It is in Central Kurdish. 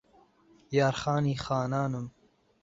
یار خانی خانانم